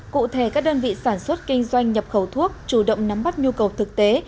cụ thể các đơn vị sản xuất kinh doanh nhập khẩu thuốc chủ động nắm bắt nhu cầu thực tế